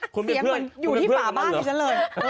เสียงเหมือนอยู่ที่ป่าบ้านเหมือนฉันเลย